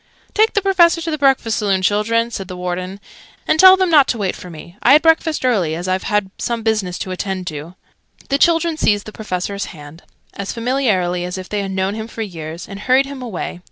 "Take the Professor to the breakfast saloon, children," said the Warden. "And tell them not to wait for me. I had breakfast early, as I've some business to attend to." The children seized the Professor's hands, as familiarly as if they had known him for years, and hurried him away.